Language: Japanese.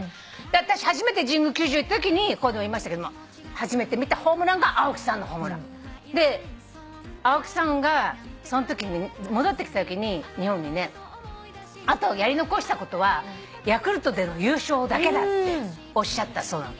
私初めて神宮球場行ったときにここでも言いましたけども初めて見たホームランが青木さんのホームラン。で青木さんが戻ってきたときに日本にねあとやり残したことはヤクルトでの優勝だけだっておっしゃったそうなの。